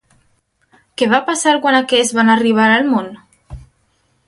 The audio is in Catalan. Què va passar quan aquests van arribar al món?